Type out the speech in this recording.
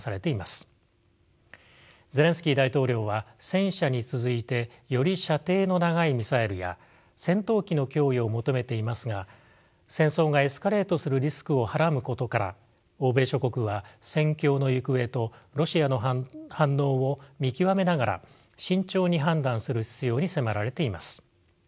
ゼレンスキー大統領は戦車に続いてより射程の長いミサイルや戦闘機の供与を求めていますが戦争がエスカレートするリスクをはらむことから欧米諸国は戦況の行方とロシアの反応を見極めながら慎重に判断する必要に迫られています。